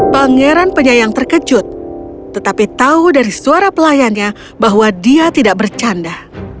pangeran penyayang terkejut tetapi tahu dari suara pelayannya bahwa dia tidak bercanda